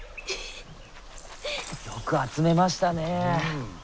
よく集めましたね。